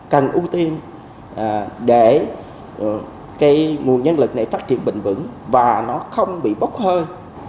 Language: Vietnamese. cần ưu tiên để cái nguồn nhân lực này phát triển bình vững và nó không bị bốc hơi